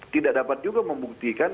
tidak dapat juga membuktikan